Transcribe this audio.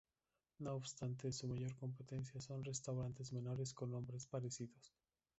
No obstante, su mayor competencia son restaurantes menores con nombres parecidos.